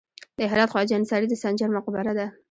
د هرات خواجه انصاري د سنجر مقبره ده